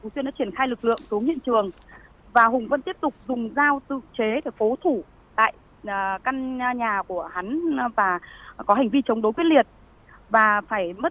chú tại thôn vĩnh trung xã khai thái